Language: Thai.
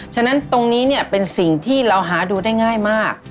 ฉะนั้นตรงนี้เนี่ยเป็นสิ่งที่เราหาดูได้ง่ายมาก